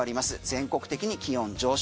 全国的に気温上昇。